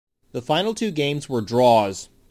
The final two games were draws.